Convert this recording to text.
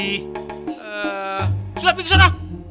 eh sulafiq kesana